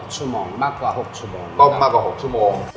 ส้นไม่รู้